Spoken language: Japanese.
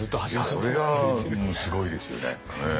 それがすごいですよね。